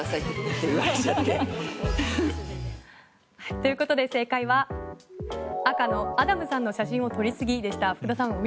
ということで正解は赤のアダムさんの写真を撮りすぎでした。